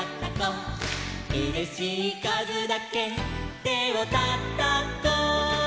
「うれしいかずだけてをたたこ」